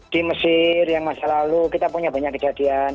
di mesir yang masa lalu kita punya banyak kejadian